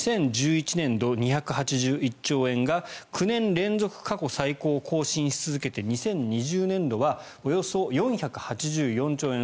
２０１１年度、２８１兆円が９年連続過去最高を更新し続けて２０２０年度はおよそ４８４兆円